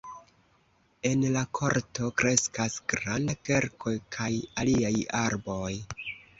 En la korto kreskas granda kverko kaj aliaj arboj.